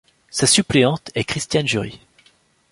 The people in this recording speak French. Sa suppléante est Christiane Jury.